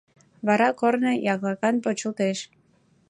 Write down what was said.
Вара корно яклакан почылтеш.